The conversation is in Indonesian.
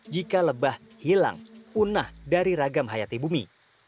jika lebah hilang punah dari ragam hayati bumi